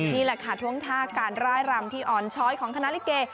นี่แหละค่ะท่วงท่าการร่ายรำที่อ่อนช้อยของคณะลิเก